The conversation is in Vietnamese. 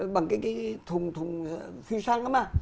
bằng cái thùng phiêu sang lắm à